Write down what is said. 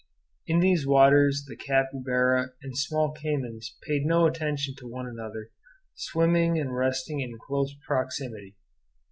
In these waters the capybaras and small caymans paid no attention to one another, swimming and resting in close proximity.